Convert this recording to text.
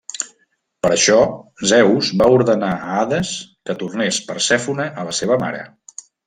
Per això Zeus va ordenar a Hades que tornés Persèfone a la seva mare.